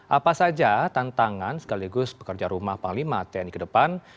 apa saja tantangan sekaligus pekerja rumah panglima tni ke depan